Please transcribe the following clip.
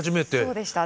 そうでした。